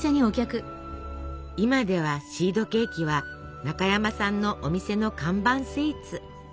今ではシードケーキは中山さんのお店の看板スイーツ。